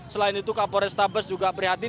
selain itu kapol restabes juga prihatin